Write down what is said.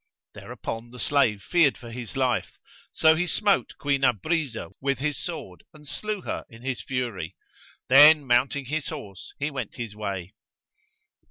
Thereupon the slave feared for his life; so he smote Queen Abrizah with his sword and slew her in his fury; then mounting his horse he went his way.